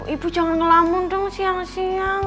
ibu jangan ngelamun dong siang siang